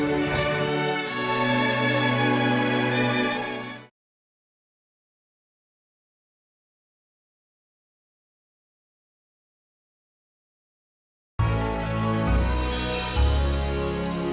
tidak ada yang bisa dipercaya